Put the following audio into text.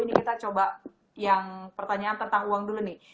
ini kita coba yang pertanyaan tentang uang dulu nih